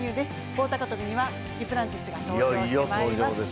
棒高跳びにはデュプランティスが登場してまいります。